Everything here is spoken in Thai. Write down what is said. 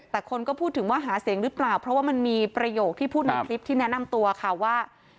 แต่คนก็พูดถึงว่าหาเสียงหรือเปล่าเพราะว่ามันมีประโยคที่พูดในคลิปที่แนะนำตัวค่ะว่า